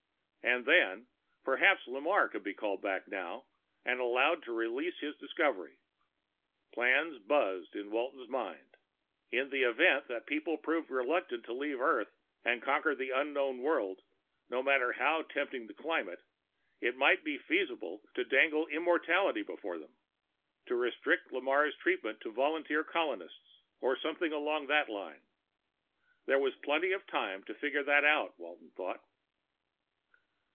And then, perhaps Lamarre could be called back now, and allowed to release his discovery. Plans buzzed in Walton's mind: in the event that people proved reluctant to leave Earth and conquer an unknown world, no matter how tempting the climate, it might be feasible to dangle immortality before them to restrict Lamarre's treatment to volunteer colonists, or something along that line. There was plenty of time to figure that out, Walton thought.